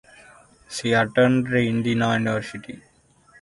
She attended Indiana University.